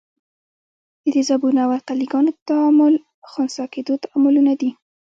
د تیزابونو او القلي ګانو تعامل خنثي کیدو تعاملونه دي.